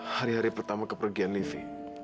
hari hari pertama kepergian livi